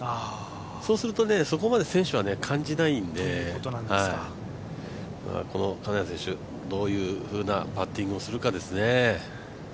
そうするとそこまで選手は感じないんで、金谷選手、どういふうなパッティングをするかですね。